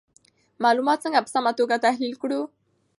معلومات څنګه په سمه توګه تحلیل کړو؟